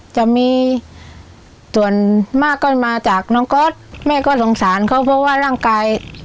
จะมีส่วนมากก็มาจากน้องก๊อตแม่ก็สงสารเขาเพราะว่าร่างกาย